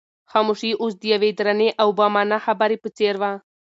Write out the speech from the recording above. خاموشي اوس د یوې درنې او با مانا خبرې په څېر وه.